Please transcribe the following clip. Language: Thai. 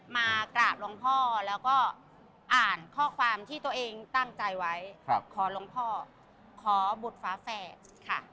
มากราบหลวงพ่อแล้วก็อ่านข้อความที่ตัวเองตั้งใจไว้ขอหลวงพ่อขอบุตรฝาแฝดค่ะ